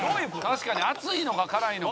「確かに熱いのか辛いのか」